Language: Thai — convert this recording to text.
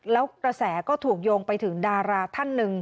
แล้วกระแสก็ถูกโยงไปถึงดาราท่านหนึ่ง